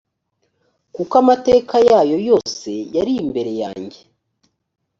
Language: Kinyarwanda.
kuko amateka yayo yose yari imbere yanjye